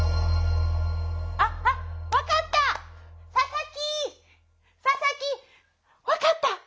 あっ分かった！